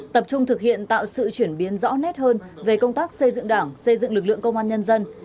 tập trung thực hiện tạo sự chuyển biến rõ nét hơn về công tác xây dựng đảng xây dựng lực lượng công an nhân dân